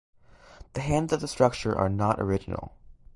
The hands of the statue are not original.